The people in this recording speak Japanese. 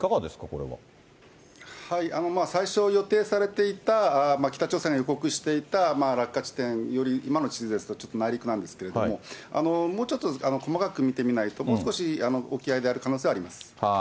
これは。最初予定されていた北朝鮮が予告していた落下地点より、今の地図ですとちょっと内陸なんですけども、もうちょっと細かく見てみないと、もう少し沖合である可能性はあります。